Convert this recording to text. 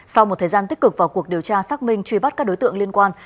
sau một thời gian tích cực vào cuộc điều tra xác minh truy bắt các đối tượng liên quan